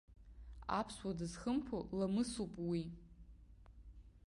Аԥсуа дызхымԥо ламысуп уи.